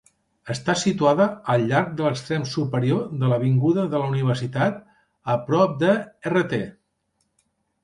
Està situada al llarg de l'extrem superior de l'Avinguda de la Universitat a prop de Rt.